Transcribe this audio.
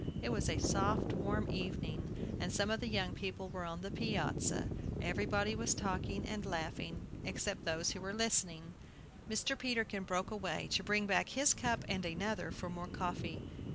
It was a soft, warm evening, and some of the young people were on the piazza. Everybody was talking and laughing, except those who were listening. Mr. Peterkin broke away, to bring back his cup and another for more coffee.